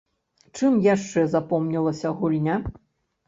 Чым яшчэ запомнілася гульня?